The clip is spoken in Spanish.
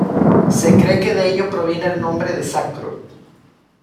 Se cree que de ello proviene el nombre de sacro.